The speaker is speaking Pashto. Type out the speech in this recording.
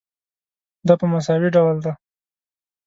دا په مساوي ډول ده.